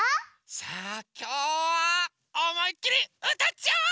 さあきょうはおもいっきりうたっちゃおう！